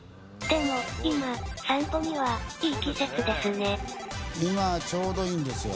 でも、今、散歩にはいい季節ですね。